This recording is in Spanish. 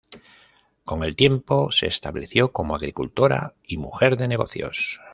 Con el tiempo, se estableció como agricultora y mujer de negocios.